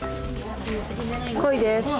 「恋」です。